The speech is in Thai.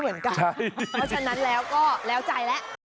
เพราะฉะนั้นแล้วก็แล้วใจแล้ว